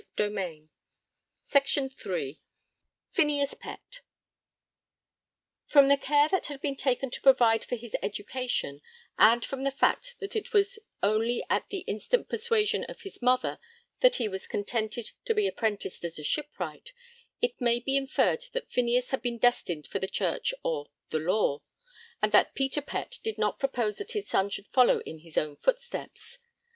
3. Phineas Pett. [Sidenote: Education.] From the care that had been taken to provide for his education, and from the fact that it was only at the 'instant persuasion' of his mother that he was 'contented' to be apprenticed as a shipwright, it may be inferred that Phineas had been destined for the Church or the Law, and that Peter Pett did not propose that his son should follow in his own footsteps.